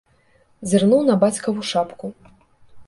Зірнуў на бацькаву шапку.